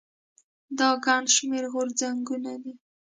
دا ګڼ شمېر غورځنګونه دي.